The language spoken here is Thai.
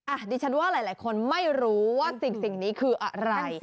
ดิฉันว่าหลายคนไม่รู้ว่าสิ่งนี้คืออะไร